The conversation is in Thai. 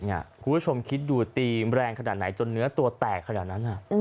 คุณผู้ชมคิดดูตีมแรงขนาดไหนจนเนื้อตัวแตกขนาดนั้น